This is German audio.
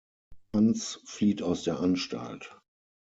Hans flieht aus der Anstalt.